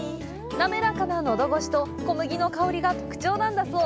滑らかな喉ごしと小麦の香りが特徴なんだそう。